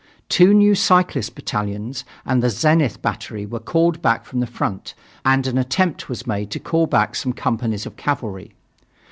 Two new cyclist battalions, and the Zenith Battery were called back from the front, and an attempt was made to call back some companies of cavalry....